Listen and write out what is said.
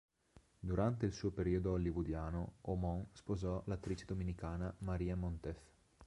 Durante il suo periodo hollywoodiano, Aumont sposò l'attrice dominicana María Montez.